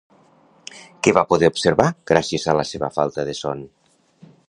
Què va poder observar gràcies a la seva falta de son?